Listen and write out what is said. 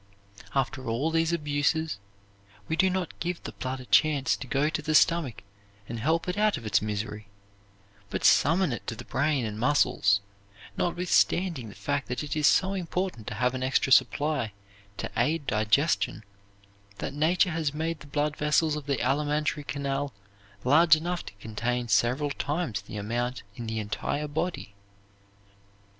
After all these abuses we do not give the blood a chance to go to the stomach and help it out of its misery, but summon it to the brain and muscles, notwithstanding the fact that it is so important to have an extra supply to aid digestion that Nature has made the blood vessels of the alimentary canal large enough to contain several times the amount in the entire body.